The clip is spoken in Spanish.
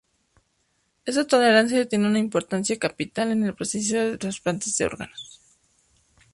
Esta tolerancia tiene una importancia capital en el proceso de trasplante de órganos.